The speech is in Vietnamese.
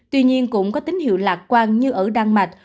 tuy nhiên cũng có tín hiệu lạc quan như ở đan mạch